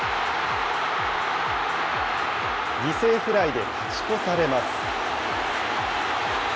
犠牲フライで勝ち越されます。